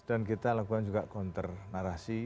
dan kita lakukan juga counter narasi